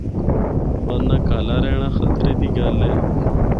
ورنہ کَہلا رہنڑا خطرہ دی گل اے۔